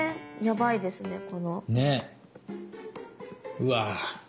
うわ